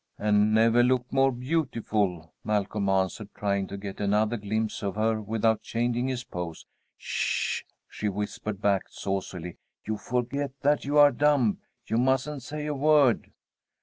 "And never looked more beautiful," Malcolm answered, trying to get another glimpse of her without changing his pose. "Sh," she whispered back, saucily. "You forget that you are dumb. You mustn't say a word."